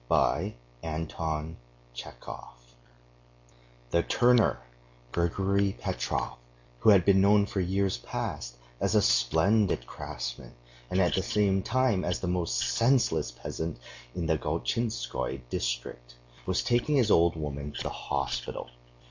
SORROW THE turner, Grigory Petrov, who had been known for years past as a splendid craftsman, and at the same time as the most senseless peasant in the Galtchinskoy district, was taking his old woman to the hospital.